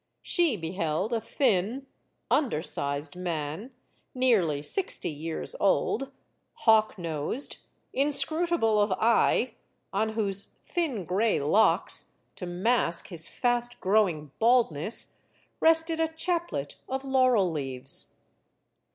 She beheld a thin, undersized man, nearly sixty years old, hawk nosed, inscrutable of eye, on whose thin gray locks, to mask his fast growing baldness, rested a chaplet of laurel leaves.